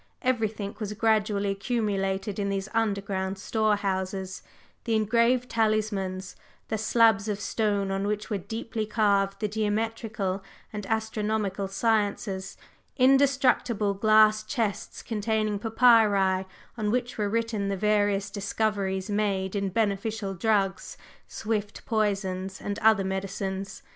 Everything was gradually accumulated in these underground store houses, the engraved talismans, the slabs of stone on which were deeply carved the geometrical and astronomical sciences; indestructible glass chests containing papyri, on which were written the various discoveries made in beneficial drugs, swift poisons, and other medicines.